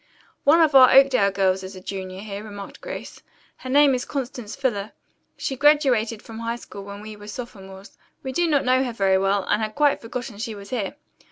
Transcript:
"One of our Oakdale girls is a junior here," remarked Grace. "Her name is Constance Fuller. She graduated from high school when we were sophomores. We do not know her very well, and had quite forgotten she was here.